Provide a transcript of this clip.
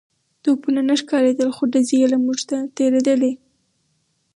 توپونه نه ښکارېدل خو ډزې يې له موږ نه تېرېدې.